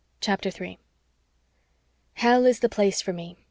CHAPTER 3 Hell is the place for me.